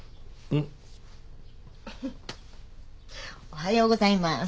おはようございます。